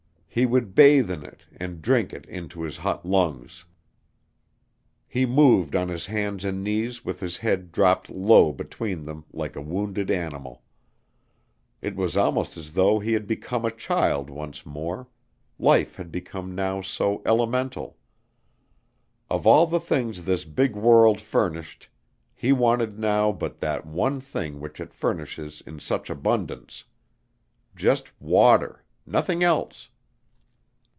He would bathe in it and drink it into his hot lungs. He moved on his hands and knees with his head dropped low between them like a wounded animal. It was almost as though he had become a child once more life had become now so elemental. Of all the things this big world furnished, he wanted now but that one thing which it furnishes in such abundance. Just water nothing else.